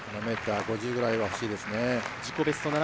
７ｍ５０ぐらいはほしいですね。